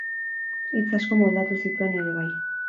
Hitz asko moldatu zituen ere bai.